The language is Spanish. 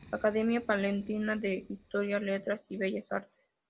Academia Palentina de Historia, Letras y Bellas Artes.